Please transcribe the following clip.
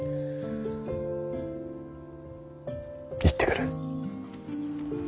行ってくる。